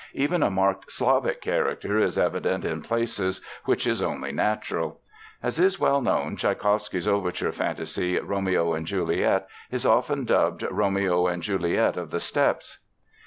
Even a marked Slavic character is evident in places, which is only natural. As is well known, Tschaikowsky's overture fantasy Romeo and Juliet is often dubbed "Romeo and Juliet of the Steppes."